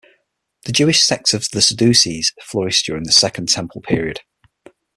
The Jewish sect of the Sadducees flourished during the Second Temple period.